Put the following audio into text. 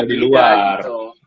ada di luar